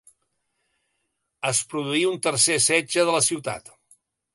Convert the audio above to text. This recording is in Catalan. Es produí un tercer setge de la Ciutat.